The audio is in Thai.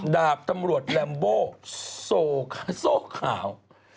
ดาบตำรวจแลมโบโซ่ขาว